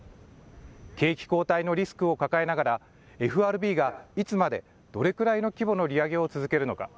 景気後退のリスクを抱えながら、ＦＲＢがいつまで、どれくらいの規模の利上げを続けるのか。